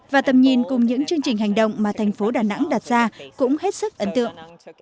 và tầm nhìn cùng những chương trình hành động mà thành phố đà nẵng đặt ra cũng hết sức ấn tượng